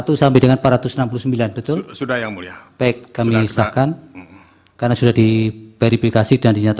untuk waktu dan perhatiannya